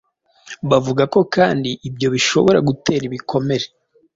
Bavuga ko kandi ibyo bishobora gutera ibikomere